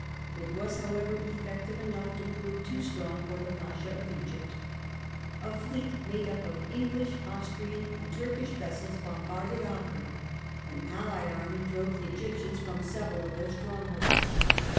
It was, however, effective enough to prove too strong for the Pasha of Egypt. A fleet made up of English, Austrian and Turkish vessels bombarded Acre; an allied army drove the Egyp tians from several of their strongholds.